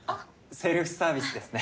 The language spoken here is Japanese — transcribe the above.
セルフサービスですね